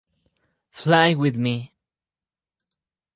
Fly with me.